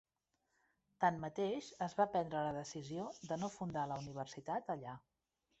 Tanmateix, es va prendre la decisió de no fundar la universitat allà.